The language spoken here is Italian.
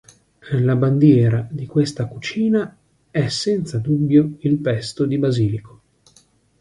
La bandiera di questa cucina è senza dubbio il pesto di basilico.